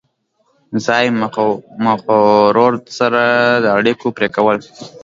ځایي مخورو سره د اړیکو پرې کول.